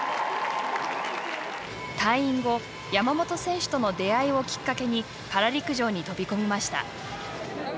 退院後山本選手との出会いをきっかけにパラ陸上に飛び込みました。